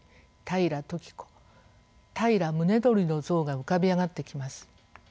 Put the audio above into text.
平宗盛の像が浮かび上がってきます。